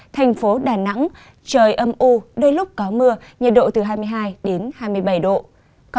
thành phố đà nẵng trời âm u đôi lúc có mưa nhiệt độ từ hai mươi hai mươi năm độ